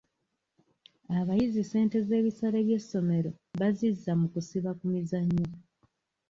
Abayizi ssente z'ebisale by'essomero bazizza mu kusiba ku mizannyo.